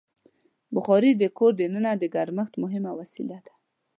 بخاري د کور دننه د ګرمښت مهمه وسیله ده.